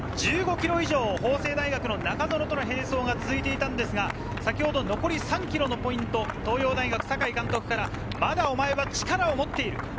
１５ｋｍ以上、法政大学の中園との並走が続いてましたが、先ほど残り３ｋｍのポイント、東洋大学・酒井監督から、まだお前は力を持っている。